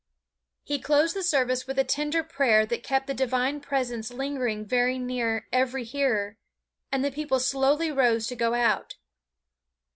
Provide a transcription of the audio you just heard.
He closed the service with a tender prayer that kept the Divine Presence lingering very near every hearer, and the people slowly rose to go out.